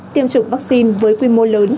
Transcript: tiêm chủng vaccine với quy mô lớn